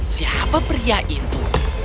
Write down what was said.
siapa pria itu